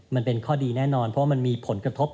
มันเป็นข้อดีแน่นอนเพราะว่ามันมีผลกระทบ